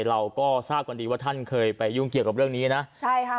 เราก็ทราบกันดีว่าท่านเคยไปยุ่งเกี่ยวกับเรื่องนี้นะใช่ค่ะ